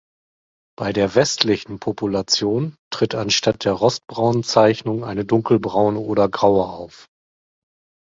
Bei der westlichen Population tritt anstatt der rostbraunen Zeichnung eine dunkelbraune oder graue auf.